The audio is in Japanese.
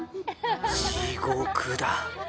地獄だ。